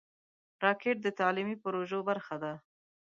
راکټ د تعلیمي پروژو برخه ده